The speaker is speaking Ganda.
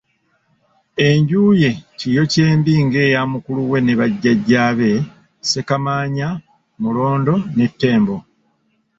Enju ye Kiryokyembi ng'eya mukulu we ne bajjajjaabe Ssekamaanya, Mulondo ne Ttembo.